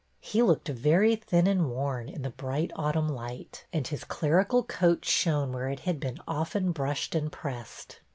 He looked very thin and worn in the bright autumn light, and his clerical coat shone where it had been often brushed and pressed.